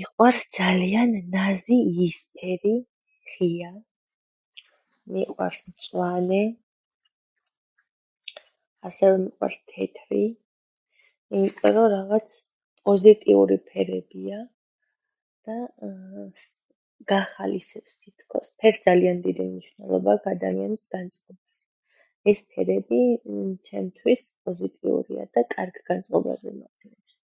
მიყვარს ძალიან ნაზი იისფერი ღია . მიყვარს მწვანე. ასევე მიყვარს თეთრი იმიტომ , რომ რაღაც პოზიტიური ფერებია და გახალისებს თითქოს . ფერს ძალიან დიდი მნიშვნელობა აქვს ადამიანის განწყობაზე. ეს ფერები ჩემთვის პოზიტიურია და კარგ განწყობაზე მაყენებს.